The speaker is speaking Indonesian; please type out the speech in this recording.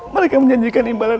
mereka menjanjikan imbalan uang